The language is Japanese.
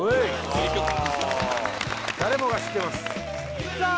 名曲誰もが知ってますああさあ